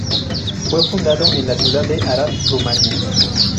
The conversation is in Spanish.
Fue fundado el en la ciudad de Arad, Rumania.